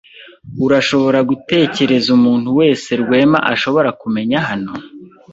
Urashobora gutekereza umuntu wese Rwema ashobora kumenya hano?